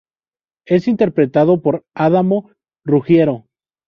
Es interpretado por Adamo Ruggiero.